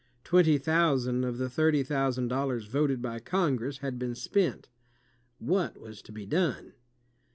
Twenty thousand of the thirty thousand dollars voted by Congress had been spent. What was to be done?